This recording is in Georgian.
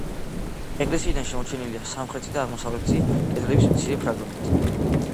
ეკლესიიდან შემორჩენილია სამხრეთი და აღმოსავლეთი კედლების მცირე ფრაგმენტი.